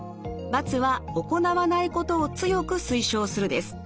×は行わないことを強く推奨するです。